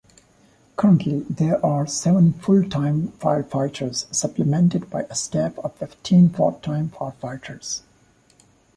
Currently, there are seven full-time firefighters, supplemented by a staff of fifteen part-time firefighters.